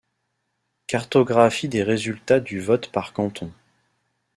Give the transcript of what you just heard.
Cartographie des résultats du vote par canton.